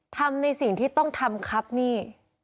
ทำในสิ่งที่ต้องทำครับหนี้